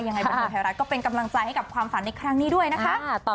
ยังไงบริเวณแพร่รัฐก็เป็นกำลังใจให้กับความฝันในครั้งนี้ด้วยนะคะ